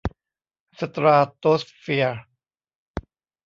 สตราโตสเฟียร์